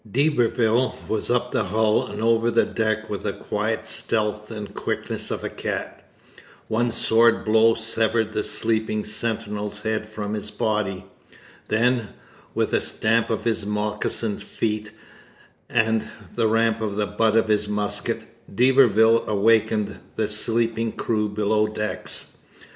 D'Iberville was up the hull and over the deck with the quiet stealth and quickness of a cat. One sword blow severed the sleeping sentinel's head from his body. Then, with a stamp of his moccasined feet and a ramp of the butt of his musket, d'Iberville awakened the sleeping crew below decks.